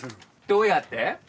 どうやって？